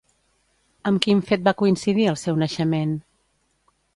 Amb quin fet va coincidir el seu naixement?